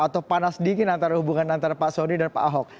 atau panas dingin antara hubungan antara pak soni dan pak ahok